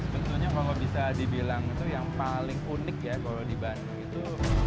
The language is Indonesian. sebetulnya kalau bisa dibilang itu yang paling unik ya kalau di bandung itu